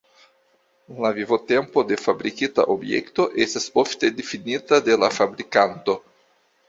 La vivotempo de fabrikita objekto estas ofte difinita de la fabrikanto.